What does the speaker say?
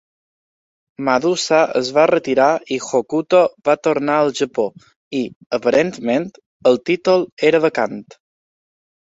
Madusa es va retirar i Hokuto va tornar al Japó i, aparentment, el títol era vacant.